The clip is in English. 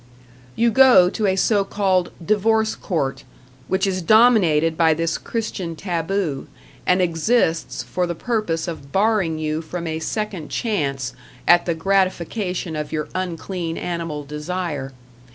You go to a so called "divorce court," which is dominated by this Christian taboo, and exists for the purpose of barring you from a second chance at the gratification of your unclean animal desire.